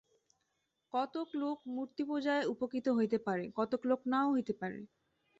কতক লোক মূর্তিপূজায় উপকৃত হইতে পারে, কতক লোক নাও হইতে পারে।